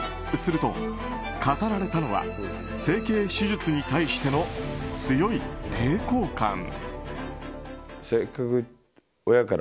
すると、語られたのは整形手術に対しての強い抵抗感。